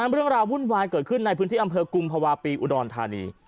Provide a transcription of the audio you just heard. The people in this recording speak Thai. เรื่องราววุ่นวายเกิดขึ้นในพื้นที่อำเภอกุมภาวะปีอุดรธานี